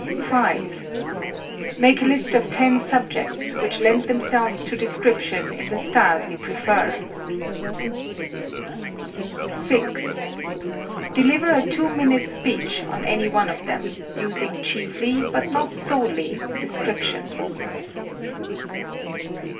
5. Make a list of ten subjects which lend themselves to description in the style you prefer. 6. Deliver a two minute speech on any one of them, using chiefly, but not solely, description.